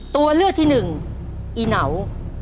ตัวเลือกที่๑อีเหนา